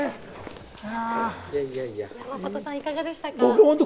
山里さん、いかがでしたか？